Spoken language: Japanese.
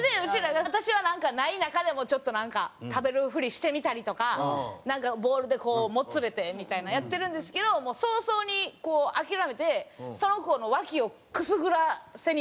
私はない中でもちょっとなんか食べるふりしてみたりとかなんかボールでもつれてみたいなのやってるんですけどもう早々に諦めてその子のわきをくすぐらせにいくみたいな。